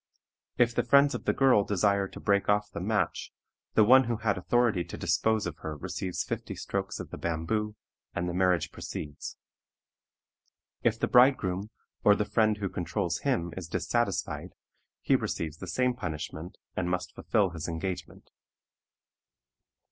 If the friends of the girl desire to break off the match, the one who had authority to dispose of her receives fifty strokes of the bamboo, and the marriage proceeds. If the bridegroom, or the friend who controls him is dissatisfied, he receives the same punishment, and must fulfill his engagement.